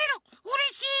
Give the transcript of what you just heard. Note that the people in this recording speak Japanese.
うれしい！